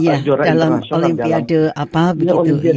iya dalam olimpiade apa begitu